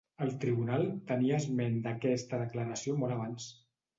El tribunal tenia esment d'aquesta declaració molt abans.